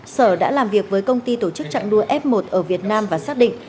sở đã làm việc với công ty tổ chức trạng đua f một ở việt nam và xác định